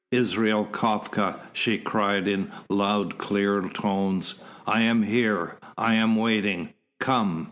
"Israel Kafka!" she cried in loud clear tones. "I am here I am waiting come!"